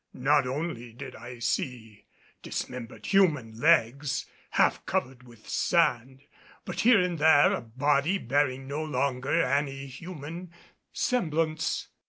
Not only did I see dismembered human legs, half covered with sand, but here and there a body bearing no longer any human semblance.